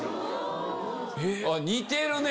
似てるね。